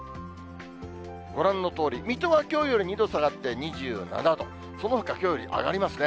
ご覧のとおり、水戸はきょうより２度下がって２７度、そのほかきょうより上がりますね。